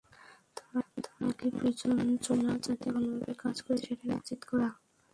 তার আগে প্রয়োজন চুলা যাতে ভালোভাবে কাজ করে, সেটা নিশ্চিত করা।